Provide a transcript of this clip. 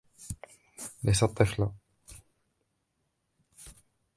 ليست طفلة.